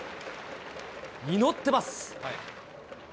祈ってます。